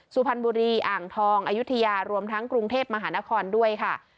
สุพรรณบุรีอ่างทองอายุทยารวมทั้งกรุงเทพมหานครด้วยค่ะ